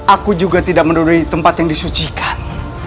aku juga tidak menduduki tempat yang disucikan